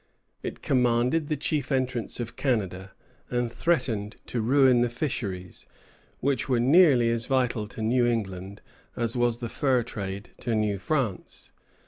It commanded the chief entrance of Canada, and threatened to ruin the fisheries, which were nearly as vital to New England as was the fur trade to New France.